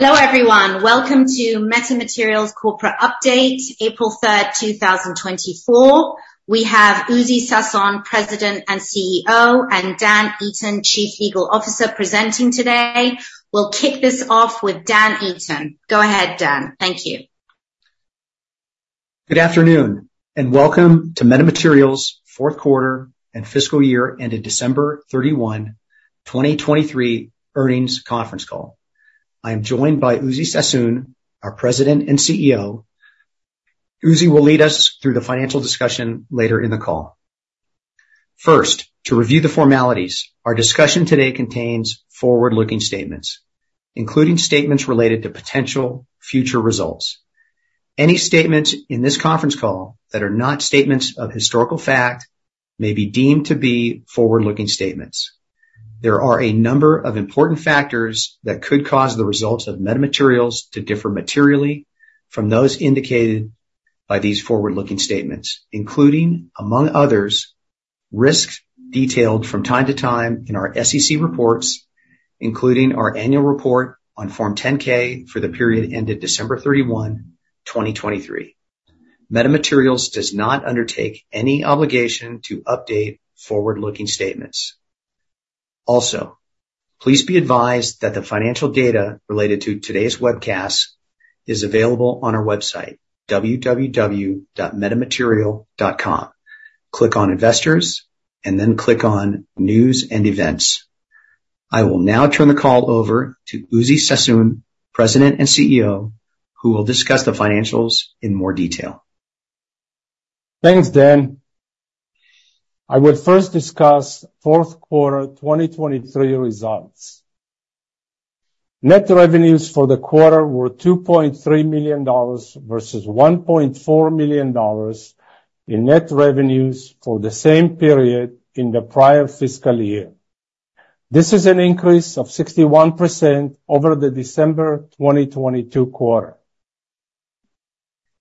Hello everyone. Welcome to Meta Materials Corporate Update, April 3, 2024. We have Uzi Sasson, President and CEO, and Dan Eaton, Chief Legal Officer, presenting today. We'll kick this off with Dan Eaton. Go ahead, Dan. Thank you. Good afternoon and welcome to Meta Materials' fourth quarter and fiscal year-ended December 31, 2023, earnings conference call. I am joined by Uzi Sasson, our President and CEO. Uzi will lead us through the financial discussion later in the call. First, to review the formalities, our discussion today contains forward-looking statements, including statements related to potential future results. Any statements in this conference call that are not statements of historical fact may be deemed to be forward-looking statements. There are a number of important factors that could cause the results of Meta Materials to differ materially from those indicated by these forward-looking statements, including, among others, risks detailed from time to time in our SEC reports, including our annual report on Form 10-K for the period ended December 31, 2023. Meta Materials does not undertake any obligation to update forward-looking statements. Also, please be advised that the financial data related to today's webcast is available on our website, www.metamaterial.com. Click on Investors and then click on News and Events. I will now turn the call over to Uzi Sasson, President and CEO, who will discuss the financials in more detail. Thanks, Dan. I would first discuss fourth quarter 2023 results. Net revenues for the quarter were $2.3 million versus $1.4 million in net revenues for the same period in the prior fiscal year. This is an increase of 61% over the December 2022 quarter.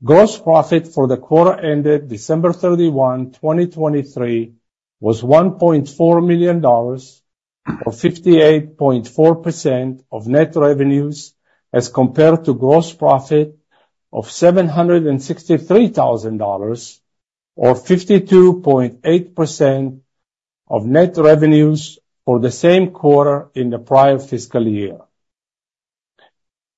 Gross profit for the quarter-ended December 31, 2023, was $1.4 million, or 58.4% of net revenues as compared to gross profit of $763,000, or 52.8% of net revenues for the same quarter in the prior fiscal year.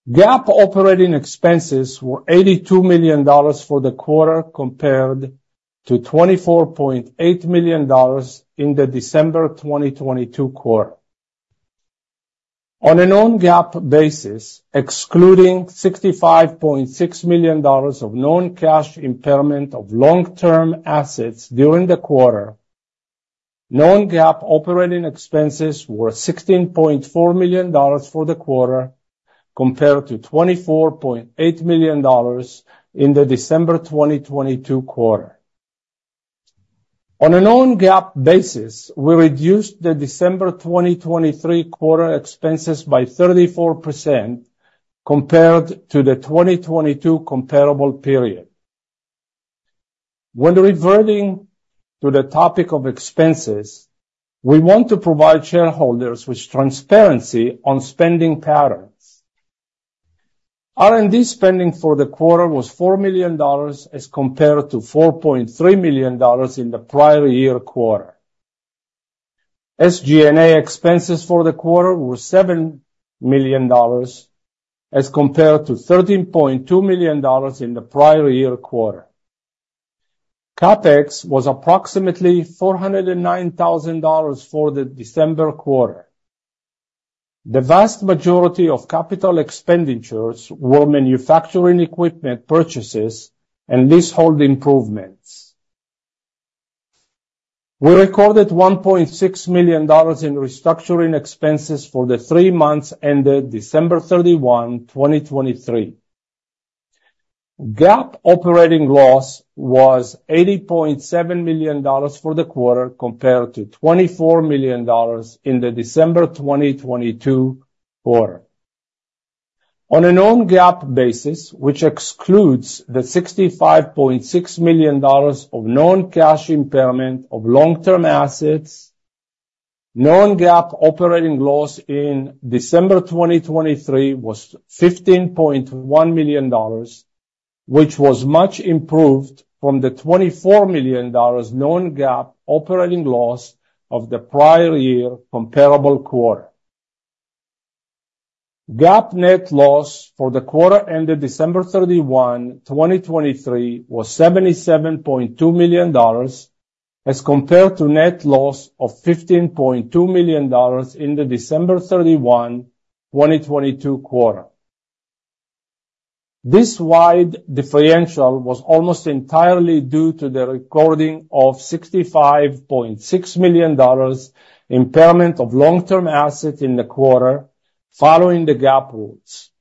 GAAP operating expenses were $82 million for the quarter compared to $24.8 million in the December 2022 quarter. On a non-GAAP basis, excluding $65.6 million of non-cash impairment of long-term assets during the quarter, non-GAAP operating expenses were $16.4 million for the quarter compared to $24.8 million in the December 2022 quarter. On a non-GAAP basis, we reduced the December 2023 quarter expenses by 34% compared to the 2022 comparable period. When reverting to the topic of expenses, we want to provide shareholders with transparency on spending patterns. R&D spending for the quarter was $4 million as compared to $4.3 million in the prior year quarter. SG&A expenses for the quarter were $7 million as compared to $13.2 million in the prior year quarter. CapEx was approximately $409,000 for the December quarter. The vast majority of capital expenditures were manufacturing equipment purchases and leasehold improvements. We recorded $1.6 million in restructuring expenses for the three months ended December 31, 2023. GAAP operating loss was $80.7 million for the quarter compared to $24 million in the December 2022 quarter. On a non-GAAP basis, which excludes the $65.6 million of known cash impairment of long-term assets, non-GAAP operating loss in December 2023 was $15.1 million, which was much improved from the $24 million non-GAAP operating loss of the prior year comparable quarter. GAAP net loss for the quarter-ended December 31, 2023, was $77.2 million as compared to net loss of $15.2 million in the December 31, 2022 quarter. This wide differential was almost entirely due to the recording of $65.6 million impairment of long-term assets in the quarter following the GAAP rules.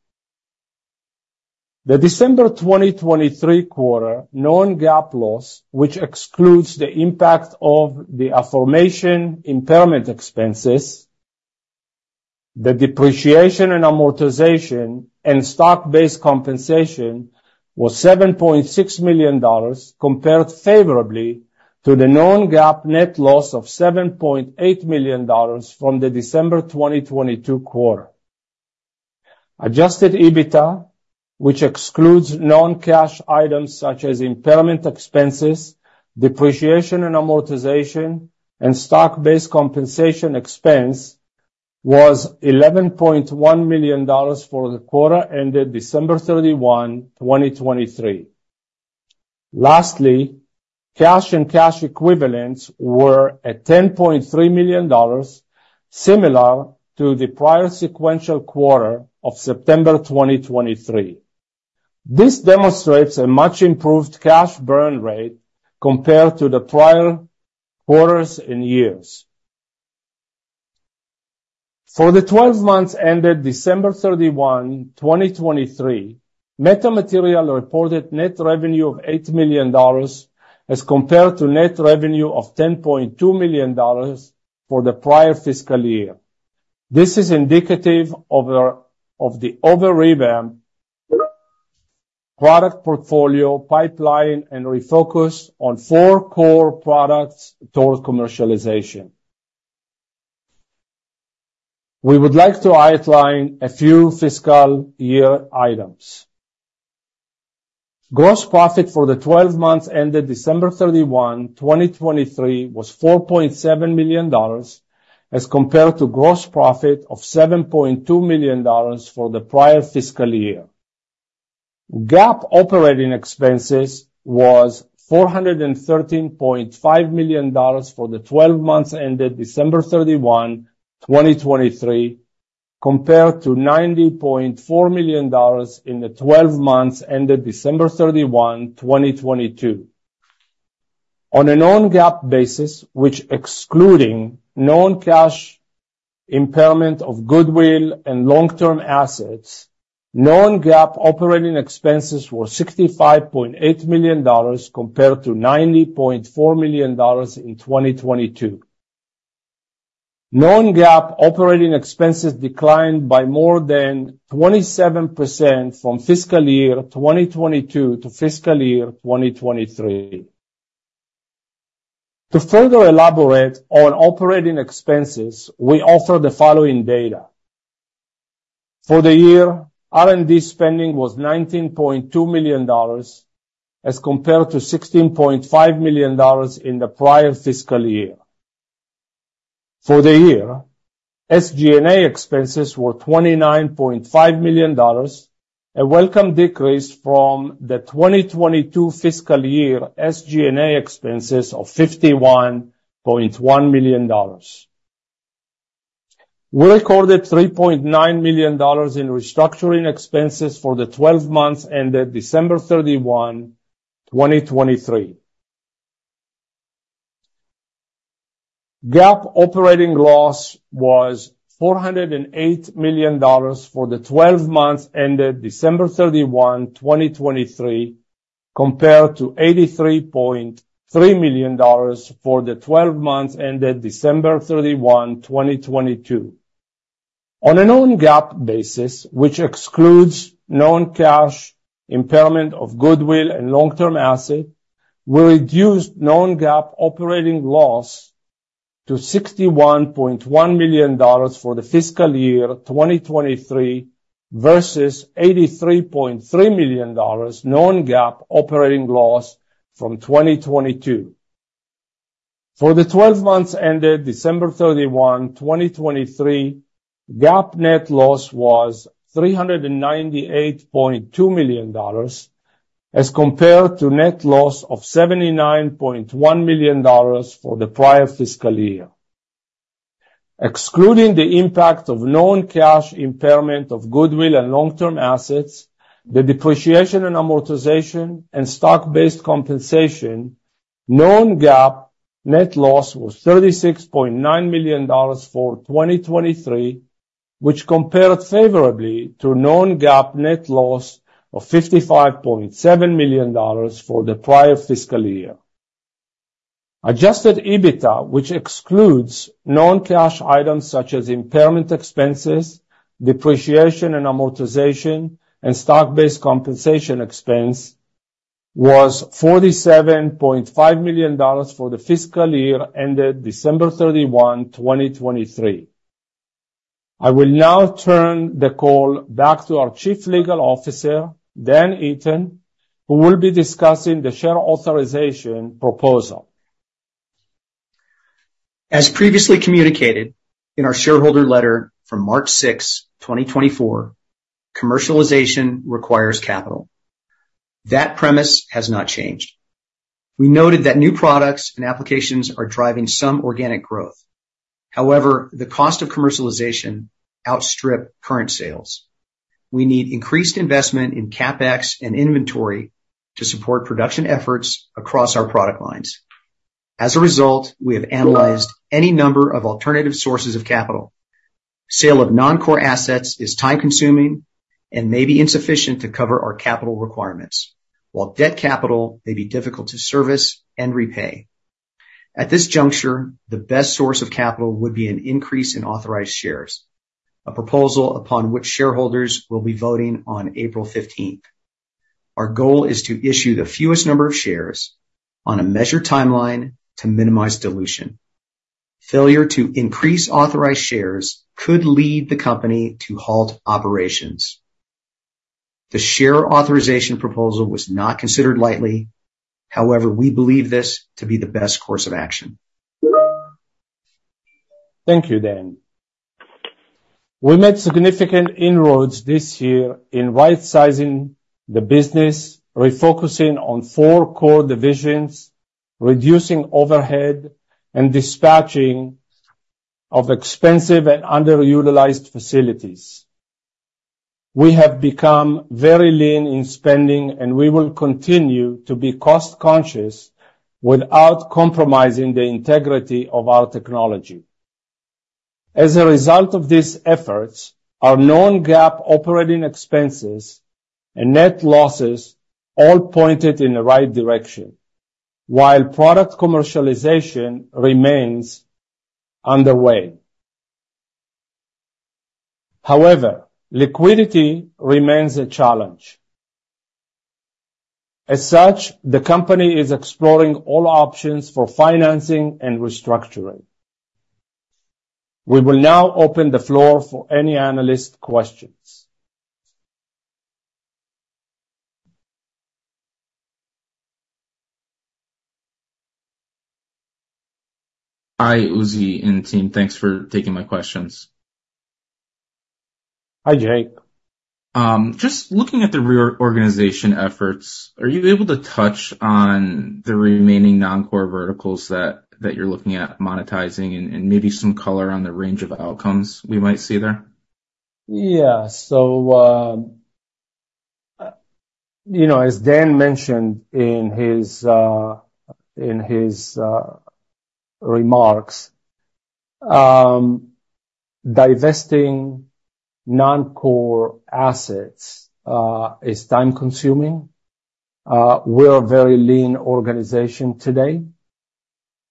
The December 2023 quarter non-GAAP loss, which excludes the impact of the non-cash impairment expenses, the depreciation and amortization, and stock-based compensation, was $7.6 million compared favorably to the non-GAAP net loss of $7.8 million from the December 2022 quarter. Adjusted EBITDA, which excludes known cash items such as impairment expenses, depreciation and amortization, and stock-based compensation expense, was $11.1 million for the quarter-ended December 31, 2023. Lastly, cash and cash equivalents were at $10.3 million, similar to the prior sequential quarter of September 2023. This demonstrates a much improved cash burn rate compared to the prior quarters and years. For the 12 months-ended December 31, 2023, Meta Materials reported net revenue of $8 million as compared to net revenue of $10.2 million for the prior fiscal year. This is indicative of the overhauled product portfolio pipeline and refocus on four core products toward commercialization. We would like to outline a few fiscal year items. Gross profit for the 12 months-ended December 31, 2023, was $4.7 million as compared to gross profit of $7.2 million for the prior fiscal year. GAAP operating expenses was $413.5 million for the 12 months-ended December 31, 2023, compared to $90.4 million in the 12 months-ended December 31, 2022. On a non-GAAP basis, which excluding known cash impairment of goodwill and long-term assets, known GAAP operating expenses were $65.8 million compared to $90.4 million in 2022. Known GAAP operating expenses declined by more than 27% from fiscal year 2022 to fiscal year 2023. To further elaborate on operating expenses, we offer the following data. For the year, R&D spending was $19.2 million as compared to $16.5 million in the prior fiscal year. For the year, SG&A expenses were $29.5 million, a welcome decrease from the 2022 fiscal year SG&A expenses of $51.1 million. We recorded $3.9 million in restructuring expenses for the 12 months-ended December 31, 2023. GAAP operating loss was $408 million for the 12 months ended December 31, 2023, compared to $83.3 million for the 12 months ended December 31, 2022. On a non-GAAP basis, which excludes non-cash impairment of goodwill and long-term assets, we reduced non-GAAP operating loss to $61.1 million for the fiscal year 2023 versus $83.3 million non-GAAP operating loss from 2022. For the 12 months ended December 31, 2023, GAAP net loss was $398.2 million as compared to net loss of $79.1 million for the prior fiscal year. Excluding the impact of non-cash impairment of goodwill and long-term assets, the depreciation and amortization, and stock-based compensation, non-GAAP net loss was $36.9 million for 2023, which compared favorably to non-GAAP net loss of $55.7 million for the prior fiscal year. Adjusted EBITDA, which excludes known cash items such as impairment expenses, depreciation and amortization, and stock-based compensation expense, was $47.5 million for the fiscal year-ended December 31, 2023. I will now turn the call back to our Chief Legal Officer, Dan Eaton, who will be discussing the share authorization proposal. As previously communicated in our shareholder letter from March 6, 2024, commercialization requires capital. That premise has not changed. We noted that new products and applications are driving some organic growth. However, the cost of commercialization outstrips current sales. We need increased investment in CapEx and inventory to support production efforts across our product lines. As a result, we have analyzed any number of alternative sources of capital. Sale of non-core assets is time-consuming and may be insufficient to cover our capital requirements, while debt capital may be difficult to service and repay. At this juncture, the best source of capital would be an increase in authorized shares, a proposal upon which shareholders will be voting on April 15th. Our goal is to issue the fewest number of shares on a measured timeline to minimize dilution. Failure to increase authorized shares could lead the company to halt operations. The share authorization proposal was not considered lightly. However, we believe this to be the best course of action. Thank you, Dan. We made significant inroads this year in right-sizing the business, refocusing on four core divisions, reducing overhead, and dispatching of expensive and underutilized facilities. We have become very lean in spending, and we will continue to be cost-conscious without compromising the integrity of our technology. As a result of these efforts, our non-GAAP operating expenses and net losses all pointed in the right direction, while product commercialization remains underway. However, liquidity remains a challenge. As such, the company is exploring all options for financing and restructuring. We will now open the floor for any analyst questions. Hi, Uzi and team. Thanks for taking my questions. Hi, Jake. Just looking at the reorganization efforts, are you able to touch on the remaining non-core verticals that you're looking at monetizing and maybe some color on the range of outcomes we might see there? Yeah. So as Dan mentioned in his remarks, divesting non-core assets is time-consuming. We're a very lean organization today.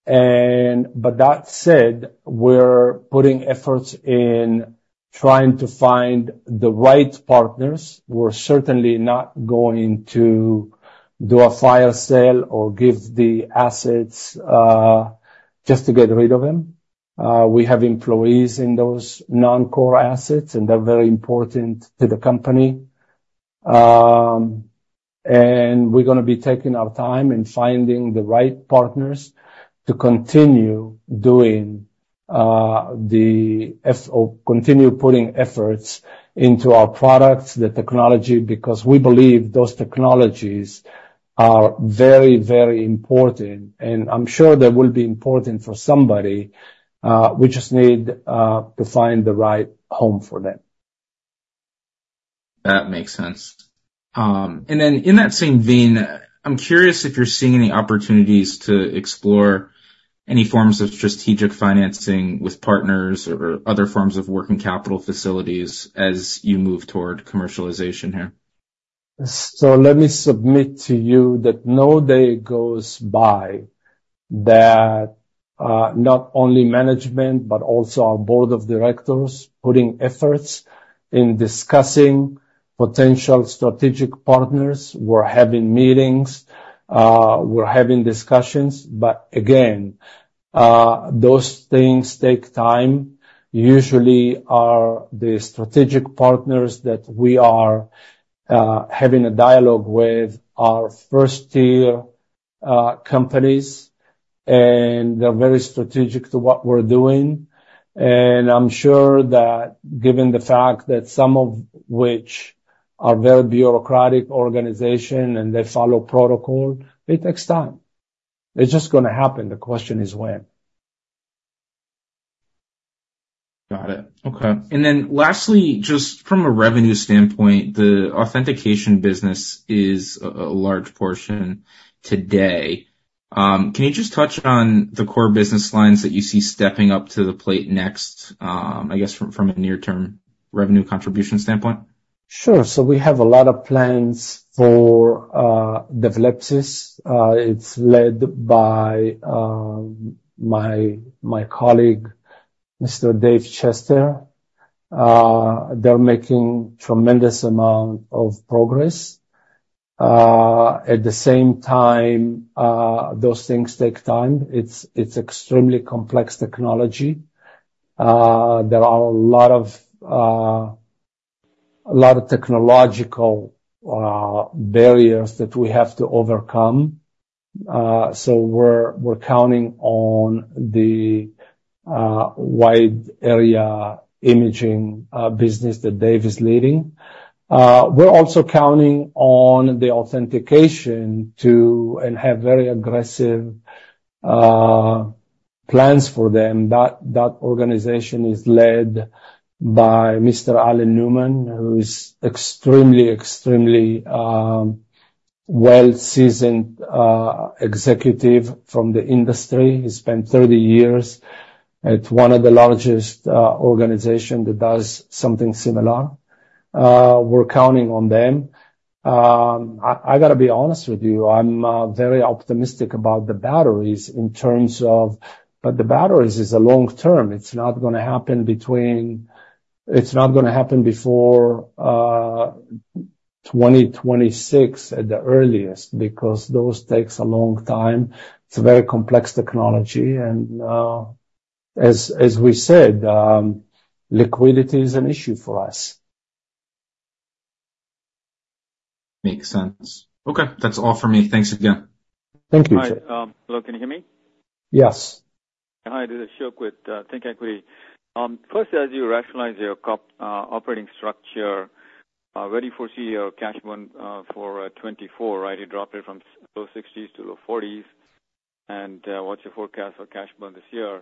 But that said, we're putting efforts in trying to find the right partners. We're certainly not going to do a fire sale or give the assets just to get rid of them. We have employees in those non-core assets, and they're very important to the company. And we're going to be taking our time and finding the right partners to continue doing, putting efforts into our products, the technology, because we believe those technologies are very, very important. And I'm sure they will be important for somebody. We just need to find the right home for them. That makes sense. Then in that same vein, I'm curious if you're seeing any opportunities to explore any forms of strategic financing with partners or other forms of working capital facilities as you move toward commercialization here. So let me submit to you that no day goes by that not only management but also our board of directors putting efforts in discussing potential strategic partners. We're having meetings. We're having discussions. But again, those things take time. Usually, the strategic partners that we are having a dialogue with are first-tier companies, and they're very strategic to what we're doing. And I'm sure that given the fact that some of which are very bureaucratic organizations and they follow protocol, it takes time. It's just going to happen. The question is when. Got it. Okay. And then lastly, just from a revenue standpoint, the authentication business is a large portion today. Can you just touch on the core business lines that you see stepping up to the plate next, I guess, from a near-term revenue contribution standpoint? Sure. So we have a lot of plans for VLEPSIS. It's led by my colleague, Mr. Dave Chester. They're making a tremendous amount of progress. At the same time, those things take time. It's extremely complex technology. There are a lot of technological barriers that we have to overcome. So we're counting on the wide-area imaging business that Dave is leading. We're also counting on the authentication and have very aggressive plans for them. That organization is led by Mr. Alan Newman, who is an extremely, extremely well-seasoned executive from the industry. He spent 30 years at one of the largest organizations that does something similar. We're counting on them. I got to be honest with you. I'm very optimistic about the batteries in terms of but the batteries is a long term. It's not going to happen before 2026 at the earliest because those take a long time. It's a very complex technology. As we said, liquidity is an issue for us. Makes sense. Okay. That's all for me. Thanks again. Thank you, Jake. Hi. Hello. Can you hear me? Yes. Hi. This is Ashok with ThinkEquity. First, as you rationalize your operating structure, where do you foresee your cash burn for 2024, right? You dropped it from low $60s to low $40s. What's your forecast for cash burn this year?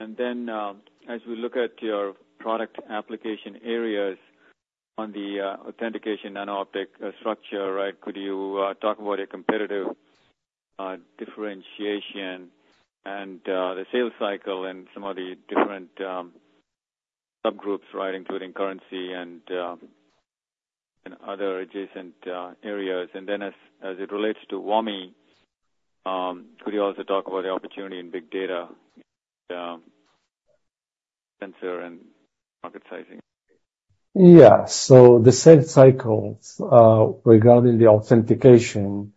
As we look at your product application areas on the authentication nano-optic structure, right, could you talk about your competitive differentiation and the sales cycle and some of the different subgroups, right, including currency and other adjacent areas? As it relates to WAMI, could you also talk about the opportunity in big data, sensor, and market sizing? Yeah. So the sales cycle regarding the authentication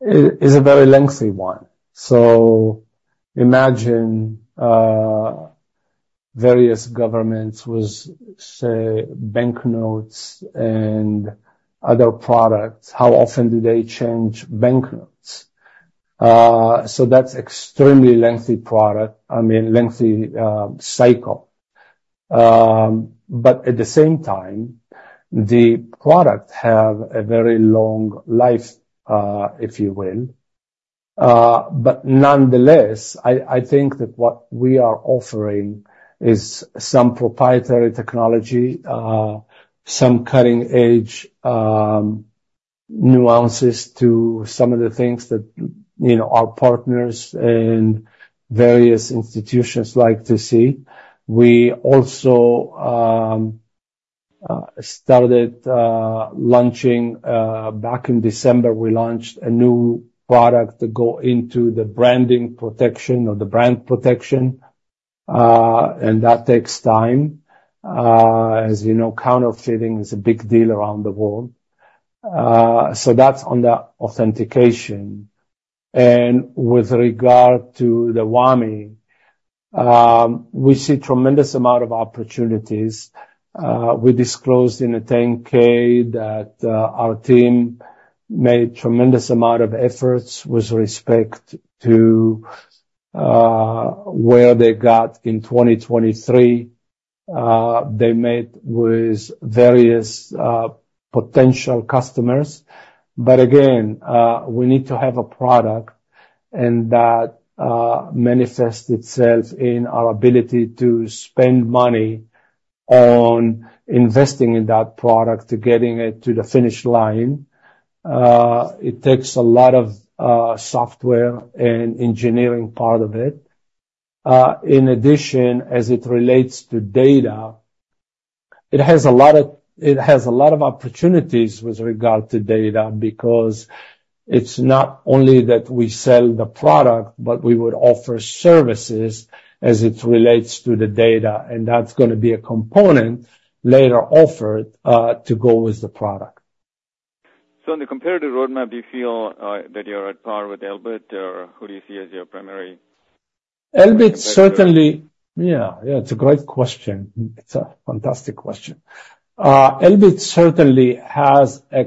is a very lengthy one. So imagine various governments with, say, banknotes and other products. How often do they change banknotes? So that's an extremely lengthy product I mean, lengthy cycle. But at the same time, the products have a very long life, if you will. But nonetheless, I think that what we are offering is some proprietary technology, some cutting-edge nuances to some of the things that our partners and various institutions like to see. We also started launching back in December, we launched a new product to go into the branding protection or the brand protection. And that takes time. As you know, counterfeiting is a big deal around the world. So that's on the authentication. And with regard to the WAMI, we see a tremendous amount of opportunities. We disclosed in a 10-K that our team made a tremendous amount of efforts with respect to where they got in 2023. They met with various potential customers. But again, we need to have a product, and that manifests itself in our ability to spend money on investing in that product to getting it to the finish line. It takes a lot of software and engineering part of it. In addition, as it relates to data, it has a lot of opportunities with regard to data because it's not only that we sell the product, but we would offer services as it relates to the data. And that's going to be a component later offered to go with the product. On the competitive roadmap, do you feel that you're at par with Elbit, or who do you see as your primary competitor? Elbit, certainly yeah. Yeah. It's a great question. It's a fantastic question. Elbit certainly has a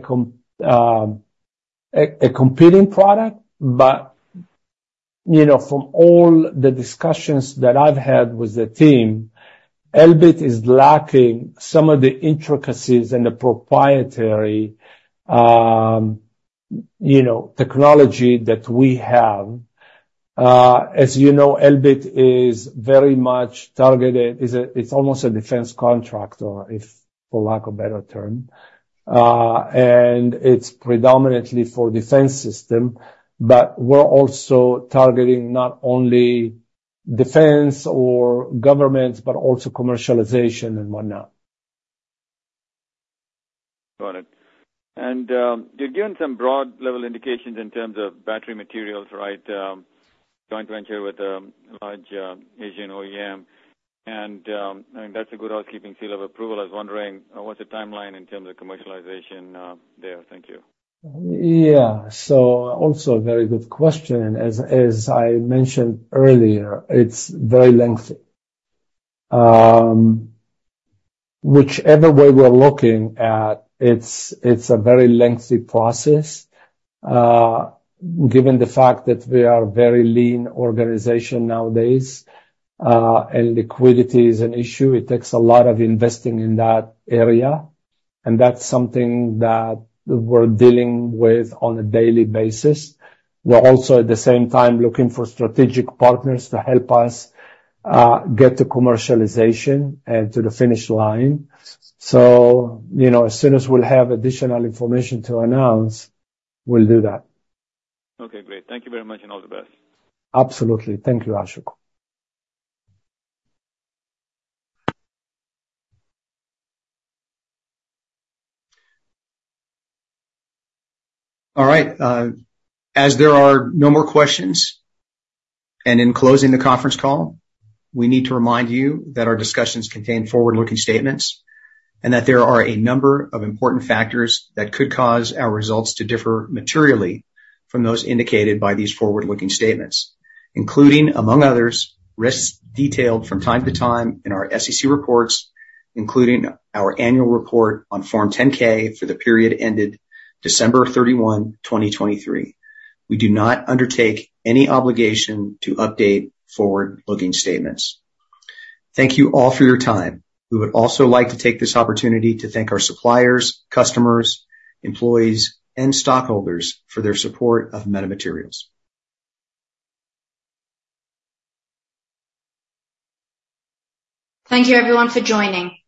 competing product. But from all the discussions that I've had with the team, Elbit is lacking some of the intricacies and the proprietary technology that we have. As you know, Elbit is very much targeted. It's almost a defense contractor, for lack of a better term. And it's predominantly for defense systems. But we're also targeting not only defense or governments, but also commercialization and whatnot. Got it. And you're giving some broad-level indications in terms of battery materials, right, joint venture with a large Asian OEM. And I mean, that's a good housekeeping seal of approval. I was wondering, what's the timeline in terms of commercialization there? Thank you. Yeah. Also a very good question. As I mentioned earlier, it's very lengthy. Whichever way we're looking at, it's a very lengthy process given the fact that we are a very lean organization nowadays. Liquidity is an issue. It takes a lot of investing in that area. That's something that we're dealing with on a daily basis. We're also, at the same time, looking for strategic partners to help us get to commercialization and to the finish line. As soon as we'll have additional information to announce, we'll do that. Okay. Great. Thank you very much and all the best. Absolutely. Thank you, Ashok. All right. As there are no more questions and in closing the conference call, we need to remind you that our discussions contain forward-looking statements and that there are a number of important factors that could cause our results to differ materially from those indicated by these forward-looking statements, including, among others, risks detailed from time to time in our SEC reports, including our annual report on Form 10-K for the period ended December 31, 2023. We do not undertake any obligation to update forward-looking statements. Thank you all for your time. We would also like to take this opportunity to thank our suppliers, customers, employees, and stockholders for their support of Meta Materials. Thank you, everyone, for joining.